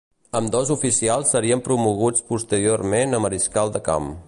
Ambdós oficials serien promoguts posteriorment a mariscal de camp.